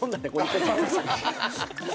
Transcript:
って。